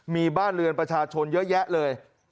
มีบ้านเรือนประชาชนเยอะแยะเลย